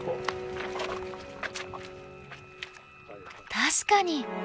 確かに。